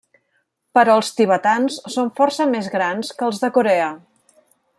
Però els tibetans són força més grans que els de Corea.